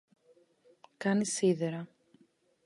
Κάνει σίδερα.